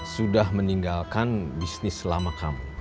sudah meninggalkan bisnis selama kamu